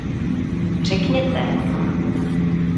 Řekněte!